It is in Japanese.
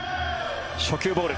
初球、ボール。